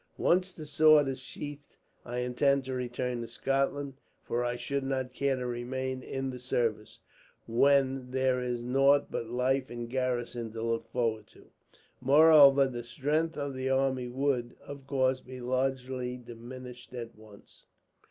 Once the sword is sheathed, I intend to return to Scotland; for I should not care to remain in the service, when there is nought but life in garrison to look forward to. Moreover, the strength of the army would, of course, be largely diminished, at once.